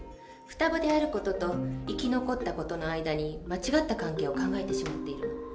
双子である事と生き残った事の間に間違った関係を考えてしまっているの。